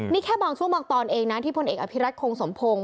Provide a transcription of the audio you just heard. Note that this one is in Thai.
นี่แค่บางช่วงบางตอนเองนะที่พลเอกอภิรัตคงสมพงศ์